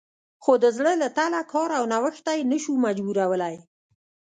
خو د زړه له تله کار او نوښت ته یې نه شو مجبورولی